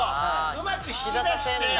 うまく引き出して。